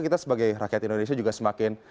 kita sebagai rakyat indonesia juga semakin